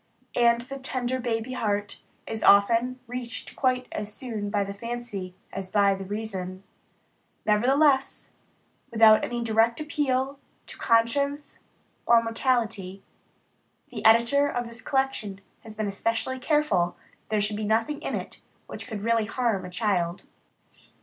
And the tender baby heart is often reached quite as soon by the fancy as by the reason. Nevertheless, without any direct appeal to conscience or morality, the Editor of this collection has been especially careful that there should be nothing in it which could really harm a child.